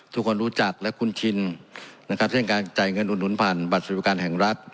ทุกคนรู้จักและคุ้นชินนะครับเช่นการจ่ายเงินอุดหนุนผ่านบัตรสวัสดิประการแห่งรัฐ